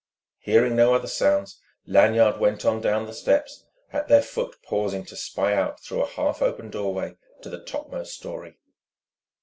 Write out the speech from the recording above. Hearing no other sounds, Lanyard went on down the steps, at their foot pausing to spy out through a half open doorway to the topmost storey.